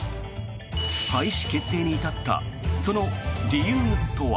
廃止決定に至ったその理由とは。